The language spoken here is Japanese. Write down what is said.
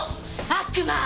悪魔！